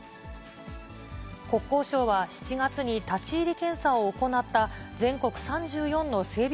国交省は７月に立ち入り検査を行った全国３４の整備